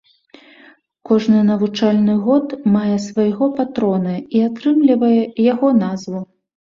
Кожны навучальны год мае свайго патрона і атрымлівае яго назву.